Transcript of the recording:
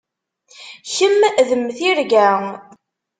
Kemm d mm tirga.